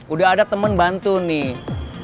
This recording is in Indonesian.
udah ada temen bantu nih